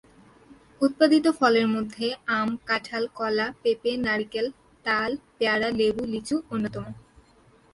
উৎপাদিত ফলের মধ্যে আম, কাঁঠাল, কলা, পেঁপে, নারিকেল, তাল, পেয়ারা, লেবু, লিচু অন্যতম।